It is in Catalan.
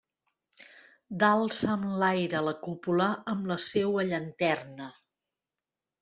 Dalt s'enlaira la cúpula amb la seua llanterna.